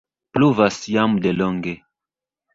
Pluvas jam de longe.